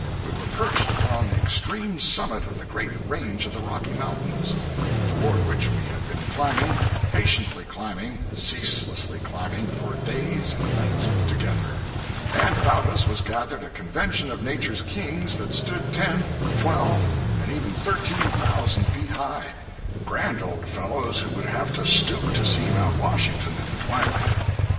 We were perched upon the extreme summit of the great range of the Rocky Mountains, toward which we had been climbing, patiently climbing, ceaselessly climbing, for days and nights together—and about us was gathered a convention of Nature's kings that stood ten, twelve, and even thirteen thousand feet high—grand old fellows who would have to stoop to see Mount Washington, in the twilight.